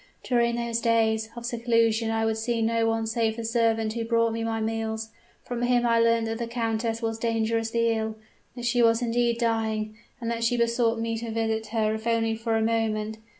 During those days of seclusion I would see no one save the servant who brought me my meals. From him I learnt that the countess was dangerously ill that she was indeed dying, and that she besought me to visit her if only for a moment.